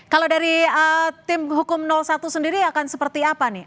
kalau dari tim hukum satu sendiri akan seperti apa nih